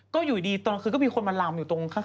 ก็อยู่ดีตอนกลางคืนก็มีคนมาลำอยู่ตรงข้าง